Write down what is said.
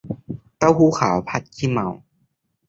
เต้าหู้ขาวผัดขี้เมา